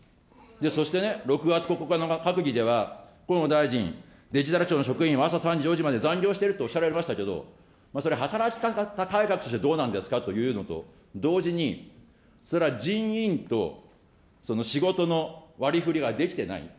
そしてね、６月９日の閣議では、河野大臣、デジタル庁の職員は朝３時４時まで残業してるとおっしゃられましたけど、それ働き方改革としてどうなんですかと同時に、それは人員とその仕事の割りふりができてない。